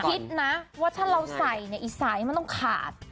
คิดนะว่าถ้าเราใส่เนี่ยอีสายมันต้องขาด